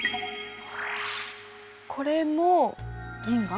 これも銀河？